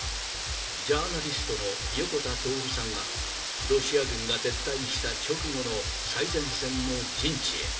ジャーナリストの横田徹さんが、ロシア軍が撤退した直後の最前線の陣地へ。